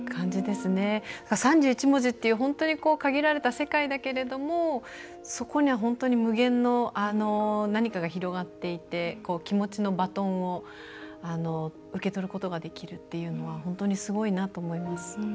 ３１文字っていう本当に限られた世界だけれどもそこには本当に無限の何かが広がっていて気持ちのバトンを受け取ることができるというのは本当にすごいなと思います。